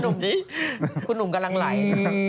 ดูนุ่มนี้คุณหนุ่มกำลังไหล